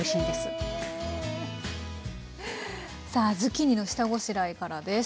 さあズッキーニの下ごしらえからです。